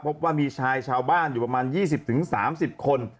พบว่ามีชายชาวบ้านอยู่ประมาณ๒๐๓๐คน